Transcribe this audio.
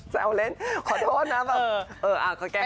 แจ้วเล่นขอโทษนะแบบ